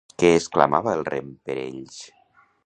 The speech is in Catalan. Què exclamava el rem per ells?